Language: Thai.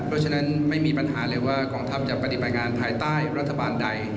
เพราะฉะนั้นไม่มีปัญหาเลยว่ากองทัพจะปฏิบัติงานภายใต้รัฐบาลใด